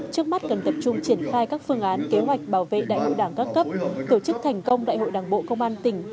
trước mắt cần tập trung triển khai các phương án kế hoạch bảo vệ đại hội đảng các cấp tổ chức thành công đại hội đảng bộ công an tỉnh